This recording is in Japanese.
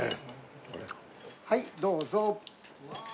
はいどうぞ。